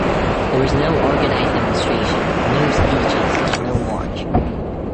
There was no organized demonstration, no speeches, no march.